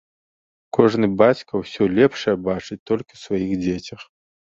Кожны бацька ўсё лепшае бачыць толькі ў сваіх дзецях.